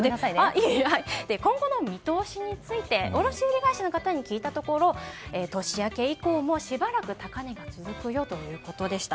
今後の見通しについて卸売会社の方に聞いたところ、年明け以降もしばらく高値が続くよということでした。